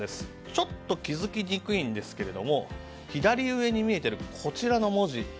ちょっと気づきにくいんですが左上に見えているこちらの文字。